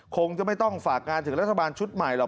คงจะไม่ต้องฝากงานถึงรัฐบาลชุดใหม่หรอก